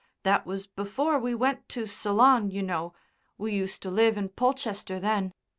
That was before we went to Ceylon, you know, we used to live in Polchester then.